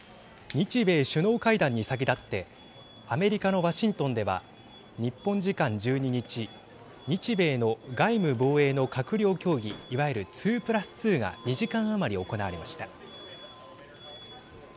日米首脳会談に先立ってアメリカのワシントンでは日本時間１２日日米の外務・防衛の閣僚協議いわゆる２プラス２が２時間余り行われました。